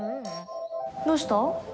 どうした？